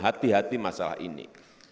hati hati masalah ini